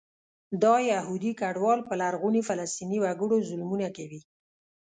دا یهودي کډوال په لرغوني فلسطیني وګړو ظلمونه کوي.